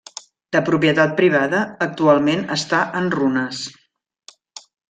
De propietat privada, actualment està en runes.